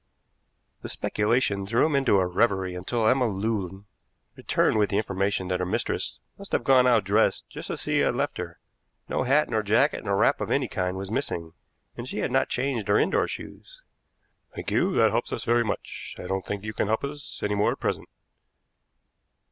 The speculation threw him into a reverie until Emma Lewin returned with the information that her mistress must have gone out dressed just as she had left her. No hat nor jacket nor wrap of any kind was missing, and she had not changed her indoor shoes. "Thank you; that helps us very much. I don't think you can help us any more at present."